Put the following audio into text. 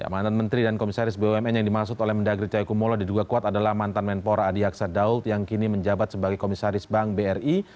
mantan menteri dan komisaris bumn yang dimaksud oleh mendagri cahaya kumolo diduga kuat adalah mantan menpora adi aksa daud yang kini menjabat sebagai komisaris bank bri